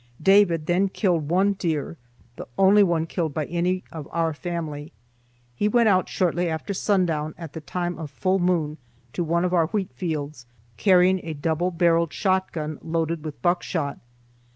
David then killed one deer, the only one killed by any of our family. He went out shortly after sundown at the time of full moon to one of our wheat fields, carrying a double barreled shotgun loaded with buckshot.